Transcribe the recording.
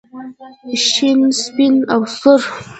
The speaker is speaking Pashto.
شین سپین او سور.